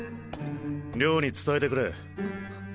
遼に伝えてくれ。